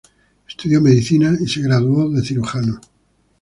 Estudió medicina y se graduó de cirujano.